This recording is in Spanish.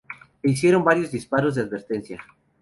Se hicieron varios disparos de advertencia.